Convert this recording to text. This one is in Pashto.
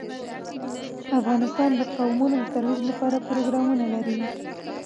افغانستان د قومونه د ترویج لپاره پروګرامونه لري.